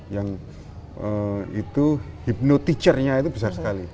yang itu hipnoticernya itu besar sekali